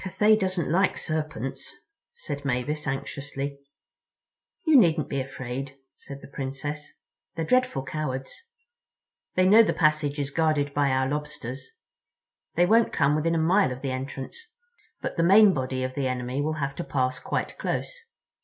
"Cathay doesn't like serpents," said Mavis anxiously. "You needn't be afraid," said the Princess. "They're dreadful cowards. They know the passage is guarded by our Lobsters. They won't come within a mile of the entrance. But the main body of the enemy will have to pass quite close.